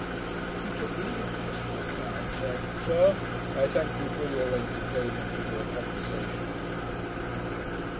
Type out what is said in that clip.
He took leave of Mr M'Leod, saying, 'Sir, I thank you for your entertainment, and your conversation.'